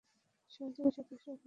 সহযোগী সদস্যরা ভোট দিতে পারেন না।